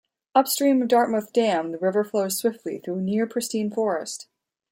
Upstream of Dartmouth Dam, the river flows swiftly through near-pristine forest.